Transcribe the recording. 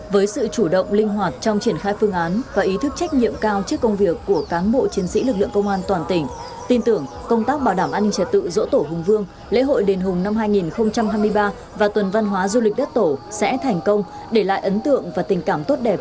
với sự chủ động linh hoạt trong triển khai phương án và ý thức trách nhiệm cao trước công việc của cán bộ chiến sĩ lực lượng công an toàn tỉnh tin tưởng công tác bảo đảm an ninh trật tự dỗ tổ hùng vương lễ hội đền hùng năm hai nghìn hai mươi ba và tuần văn hóa du lịch đất tổ sẽ thành công để lại ấn tượng và tình cảm tốt đẹp